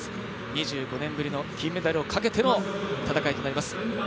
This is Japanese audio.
２５年ぶりの金メダルをかけての戦いとなります。